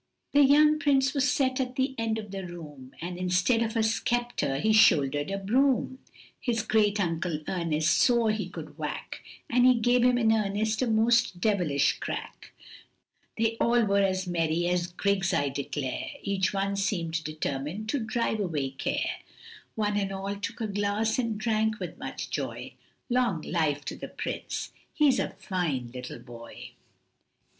The young Prince was set at the end of the room, And instead of a sceptre he shouldered a broom, His great uncle Ernest swore he could whack, And he gave him in earnest a most devilish crack, They all were as merry as grigs I declare, Each one seem'd determin'd to drive away care, One and all took a glass and drank with much joy, Long life to the Prince, he's a fine little boy.